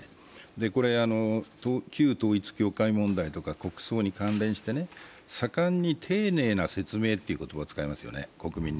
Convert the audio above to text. これ旧統一教会問題とか国葬に関連して盛んに、国民に対して丁寧な説明という言葉を使いますね。